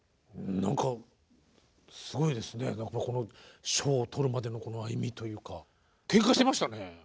何かこの賞を取るまでのこの歩みというかけんかしてましたね。